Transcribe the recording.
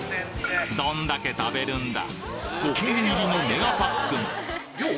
どんだけ食べるんだ！